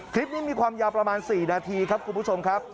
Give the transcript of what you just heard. คลิปนี้มีความยาวประมาณ๔นาทีครับคุณผู้ชมครับ